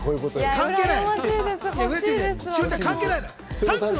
関係ない。